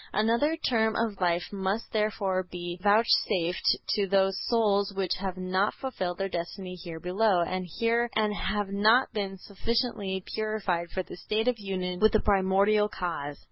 Another term of life must therefore be vouchsafed to those souls which have not fulfilled their destiny here below, and have not been sufficiently purified for the state of union with the Primordial Cause.